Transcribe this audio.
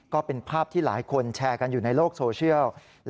ก็เป็นภาพที่หลายคนแชร์กันอยู่ในโลกโซเชียล